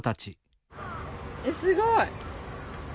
すごい！